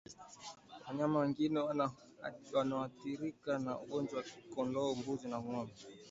Wanyama wengine wanoathirika na ugonjwa ni kondoo mbuzi na ngombe